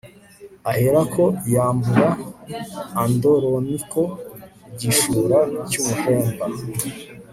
ahera ko yambura andoroniko igishura cy'umuhemba